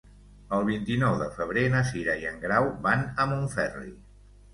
El vint-i-nou de febrer na Cira i en Grau van a Montferri.